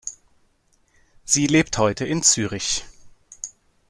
Sie lebt heute in Zürich.